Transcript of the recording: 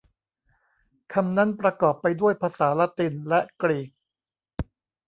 คำนั้นประกอบไปด้วยภาษาละตินและกรีก